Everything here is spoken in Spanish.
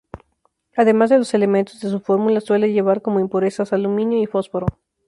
Además de los elementos de su fórmula, suele llevar como impurezas: aluminio y fósforo.